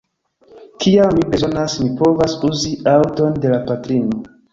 Kiam mi bezonas, mi povas uzi aŭton de la patrino.